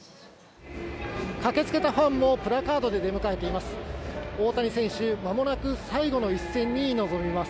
駆けつけたファンもプラカードを持って出迎えています。